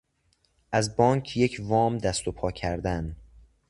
از بانک یک وام دست و پا کردن